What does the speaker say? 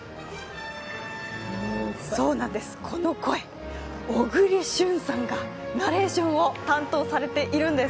そうなんです、この声、小栗旬さんがナレーションを担当しているんです。